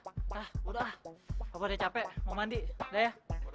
udah ah bapak udah capek mau mandi udah ya